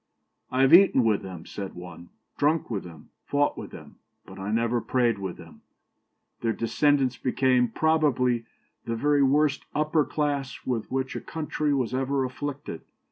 'I have eaten with them,' said one, 'drunk with them, fought with them; but I never prayed with them.' Their descendants became, probably, the very worst upper class with which a country was ever afflicted.